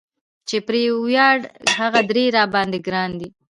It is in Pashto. چې پرې وياړم هغه درې را باندي ګران دي